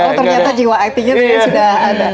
oh ternyata jiwa aktingnya sudah ada